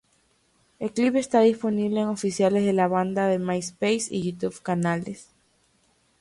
El clip está disponible en oficiales de la banda de Myspace y YouTube canales.